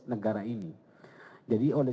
negara ini jadi oleh